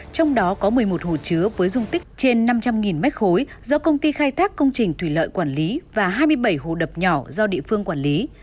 trong đó có một mươi một hồ chứa với dung tích trên năm trăm linh m ba do công ty khai thác công trình thủy lợi quản lý và hai mươi bảy hồ đập nhỏ do địa phương quản lý